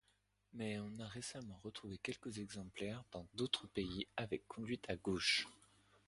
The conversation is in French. Mais on a récemment retrouvé quelques exemplaires dans d'autres pays avec conduite à gauche.